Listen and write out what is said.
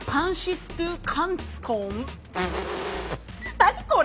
何これ？